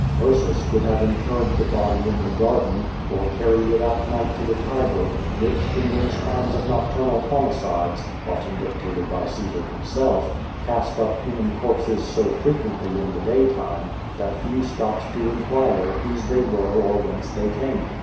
TIrsus could have interred the body in the garden, or carried it at night to the Tiber, which, in those times of nocturnal homicides (often dictated by Caesar himself), cast up human corpses so frequently in the daytime, that few stopped to in quire whose they were or whence they came.